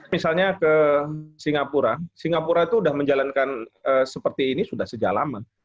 misalnya ke singapura singapura itu sudah menjalankan seperti ini sudah sejak lama